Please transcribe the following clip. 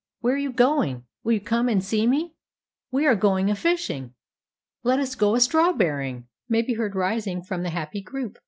"Where are you going?" "Will you come and see me?" "We are going a fishing!" "Let us go a strawberrying!" may be heard rising from the happy group.